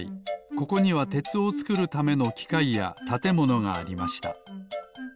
ここにはてつをつくるためのきかいやたてものがありました。